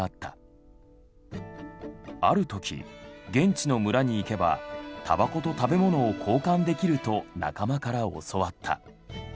ある時現地の村に行けばタバコと食べ物を交換できると仲間から教わった。